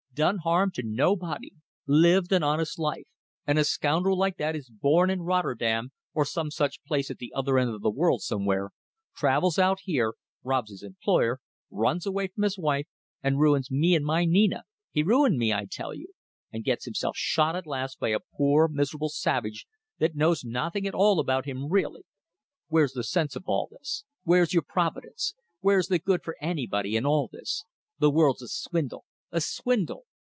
Done harm to nobody, lived an honest life ... and a scoundrel like that is born in Rotterdam or some such place at the other end of the world somewhere, travels out here, robs his employer, runs away from his wife, and ruins me and my Nina he ruined me, I tell you and gets himself shot at last by a poor miserable savage, that knows nothing at all about him really. Where's the sense of all this? Where's your Providence? Where's the good for anybody in all this? The world's a swindle! A swindle!